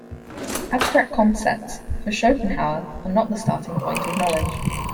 Abstract concepts, for Schopenhauer, are not the starting point of knowledge.